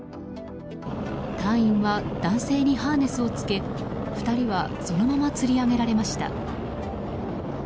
隊員は男性にハーネスをつけ２人はそのままつり上げられました。